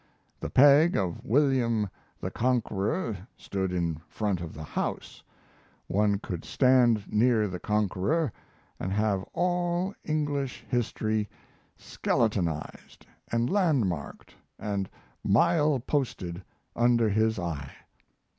The peg of William the Conqueror stood in front of the house; one could stand near the Conqueror and have all English history skeletonized and landmarked and mile posted under his eye....